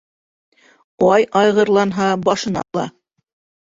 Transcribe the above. Ат айғырланһа, башына була.